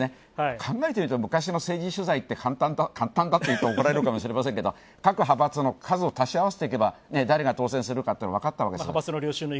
考えてみると、昔の政治取材って簡単だというと怒られるかもしれませんが各派閥の数を足し合わせていけば誰が当選するかというのが分かったわけです。